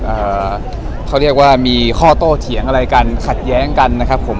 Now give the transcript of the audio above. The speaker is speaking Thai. อ่าเขาเรียกว่ามีข้อโต้เถียงอะไรกันขัดแย้งกันนะครับผม